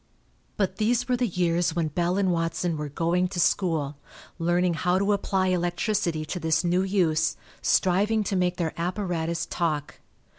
But these were the years when Bell and Watson were "going to school," learning how to apply electricity to this new use, striving to make their apparatus talk.